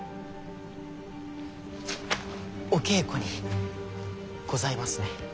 お稽古にございますね？